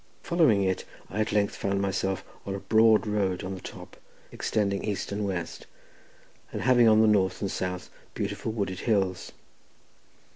Following it, I at length found myself on a broad road on the top extending east and west, and having on the north and south beautiful wooded hills.